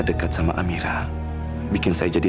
tidak cuma lautan dari saya lain